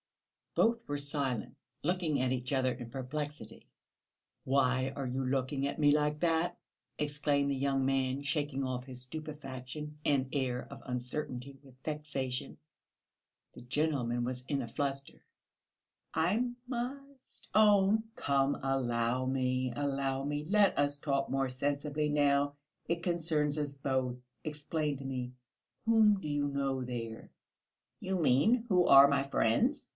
Both were silent, looking at each other in perplexity. "Why are you looking at me like that?" exclaimed the young man, shaking off his stupefaction and air of uncertainty with vexation. The gentleman was in a fluster. "I ... I must own...." "Come, allow me, allow me; let us talk more sensibly now. It concerns us both. Explain to me ... whom do you know there?" "You mean, who are my friends?"